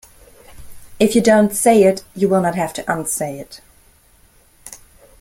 If you don't say it you will not have to unsay it.